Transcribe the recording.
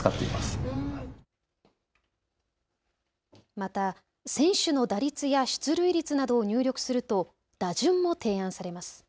また、選手の打率や出塁率などを入力すると打順も提案されます。